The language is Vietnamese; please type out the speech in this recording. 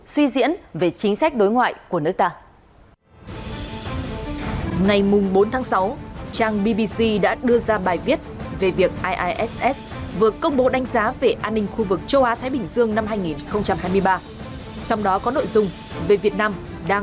suy diễn về chính sách đối ngoại của nước ta